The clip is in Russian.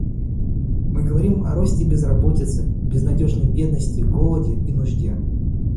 Мы говорим о росте безработицы, безнадежной бедности, голоде и нужде.